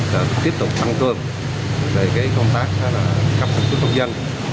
cần tiếp tục tăng cường về công tác cấp căn cước công dân